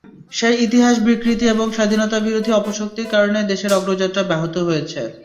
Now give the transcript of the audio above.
সেই ইতিহাস বিকৃতি এবং স্বাধীনতাবিরোধী অপশক্তির কারণে দেশের অগ্রযাত্রা ব্যাহত হয়েছে।